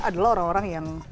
adalah orang orang yang